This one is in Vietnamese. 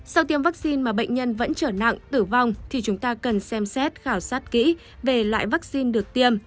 sau tiêm vaccine mà bệnh nhân vẫn trở nặng tử vong thì chúng ta cần xem xét khảo sát kỹ về lại vaccine được tiêm